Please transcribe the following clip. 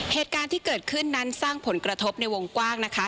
เหตุการณ์ที่เกิดขึ้นนั้นสร้างผลกระทบในวงกว้างนะคะ